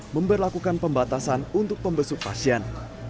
memperlakukan pembatasan untuk pembesuk pasien